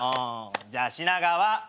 じゃあ品川。